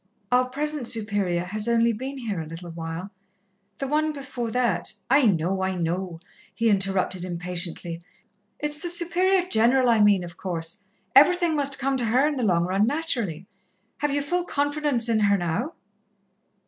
"Our present Superior has only been here a little while the one before that " "I know, I know," he interrupted impatiently. "It's the Superior General I mean, of course everything must come to her in the long run, naturally. Have you full confidence in her, now?"